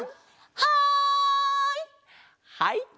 はい！